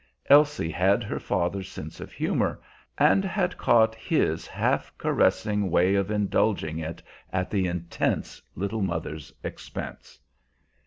Elsie had her father's sense of humor, and had caught his half caressing way of indulging it at the "intense" little mother's expense.